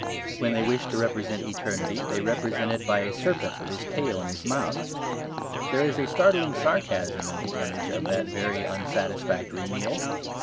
When they wish to represent eternity, they represent it by a serpent with his tail in his mouth. There is a startling sarcasm in the image of that very unsatisfactory meal.